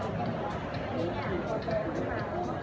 มันเป็นสิ่งที่จะให้ทุกคนรู้สึกว่า